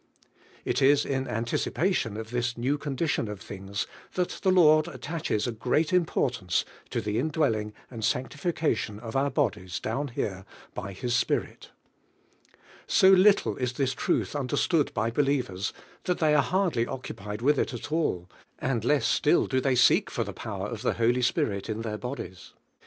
It is in anticipation of this new condi tion of things that the Lord attaches a great importance to the indwelling and sanctjfkation of our bodies, down here, by His Spirit. So little is this truth un derstood by believers that they are 'hard ly occupied with it at all; and less still do they seek for the power of the Holy Spirit in their bodies.